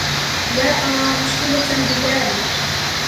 لا أرى مشكلةً بذلك.